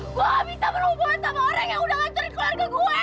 gue bisa berhubungan sama orang yang udah ngatur keluarga gue